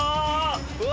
うわ！